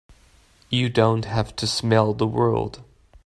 You don't have to smell the world!